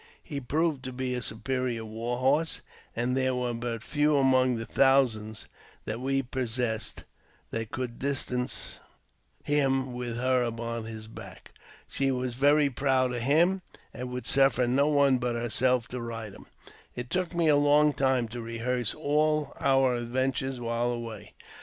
He proved to be a superior war horse, and there were but few among the thousands that we possessed that could distance him with her upon his back. She was very proud of him, and and would suffer no one but herself to ride him. It took me a long time to rehearse all our adventures while away.